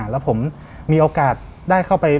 แล้วผมมีโอกาสได้เข้าไป